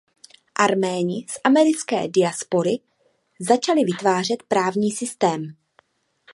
Arméni z americké diaspory začali vytvářet právní systém.